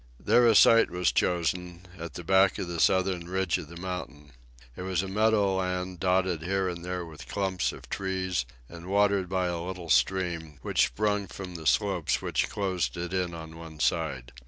There a site was chosen, at the back of the southern ridge of the mountain. It was a meadow land, dotted here and there with clumps of trees, and watered by a little stream, which sprung from the slopes which closed it in on one side.